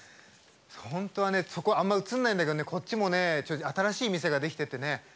本当はね、そこ、あまり映らないんだけどねこっちもね、新しい店ができててね。